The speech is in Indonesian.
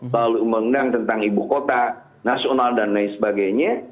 lalu undang undang tentang ibu kota nasional dan lain sebagainya